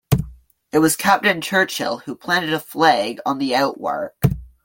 It was Captain Churchill who planted a flag on the outwork.